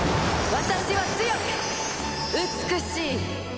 私は強く美しい！